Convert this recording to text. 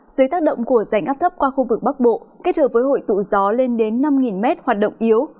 dưới tác động của rảnh áp thấp qua khu vực bắc bộ kết hợp với hội tụ gió lên đến năm m hoạt động yếu